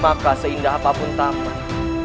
maka seindah apapun tamat